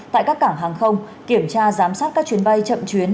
tại các cảng hàng không kiểm tra giám sát các chuyến bay chậm chuyến